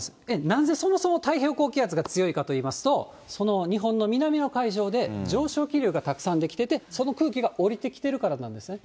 なぜそもそも太平洋高気圧が強いかといいますと、その日本の南の海上で、上昇気流がたくさん出来てて、その空気が下りてきてるからなんですね。